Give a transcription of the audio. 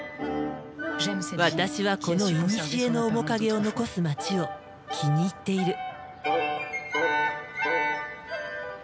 私はこのいにしえの面影を残す街を気に入っている。